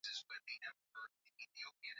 Kaa nami lau ama jana